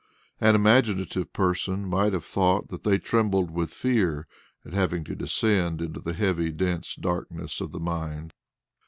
An imaginative person might have thought that they trembled with fear at having to descend into the heavy dense darkness of the mine.